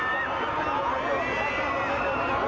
ขอบคุณท่านพี่น้องชาวประกิษนะครับผมขอบคุณท่านพี่น้องชาวประกิษนะครับผม